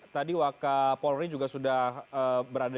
tadi wak kapolri juga sudah berbicara